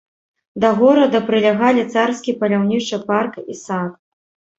Да горада прылягалі царскі паляўнічы парк і сад.